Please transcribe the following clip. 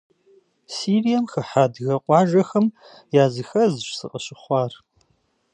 Сирием хыхьэ адыгэ къуажэхэм языхэзщ сыкъыщыхъуар.